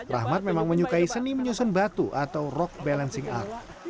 rahmat memang menyukai seni menyusun batu atau rock balancing art